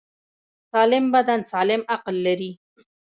سالم بدن سالم عقل لري.